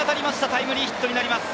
タイムリーヒット。